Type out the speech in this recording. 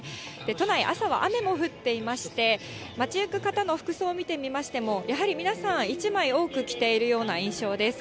都内、朝は雨も降っていまして、街行く方の服装を見てみましても、やはり皆さん、１枚多く着ているような印象です。